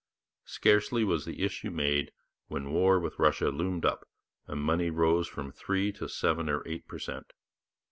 Scarcely was the issue made when war with Russia loomed up, and money rose from three to seven or eight per cent.